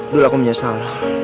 dulu aku menyesal